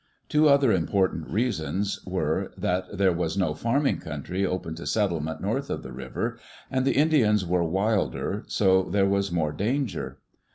Two other important reasons were, that there was no farming country open to settlement north of the river, and the Indians were wilder, so there was more danger.